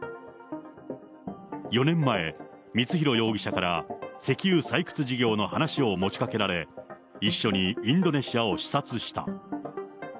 ４年前、光弘容疑者から石油採掘事業の話を持ちかけられ、一緒にインドネシアを視察した。